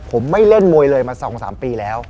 ผมไม่เล่นมวยเลยมา๒๓ปีแล้ว